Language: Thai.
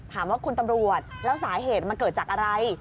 ถามว่าคุณตำรวจแล้วสาเหตุมันเกิดจากอะไร